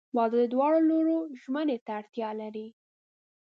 • واده د دواړو لورو ژمنې ته اړتیا لري.